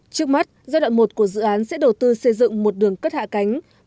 trước mắt giai đoạn một của dự án sẽ đầu tư xây dựng một đường cất hạ cánh